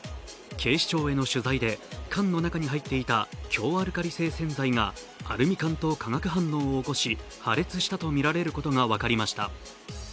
警視庁への取材で缶の中に入っていた強アルカリ性洗剤がアルミ缶と化学反応を起こし破裂したとみられることが分かりました。